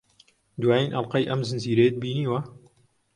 دوایین ئەڵقەی ئەم زنجیرەیەت بینیوە؟